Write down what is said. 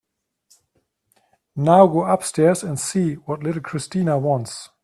Now go upstairs and see what little Christina wants.